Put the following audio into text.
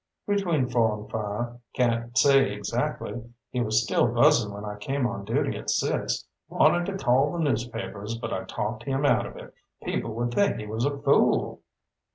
"Between four and five. Can't say exactly. He was still buzzin' when I came on duty at six. Wanted to call the newspapers, but I talked him out of it. People would think he was a fool."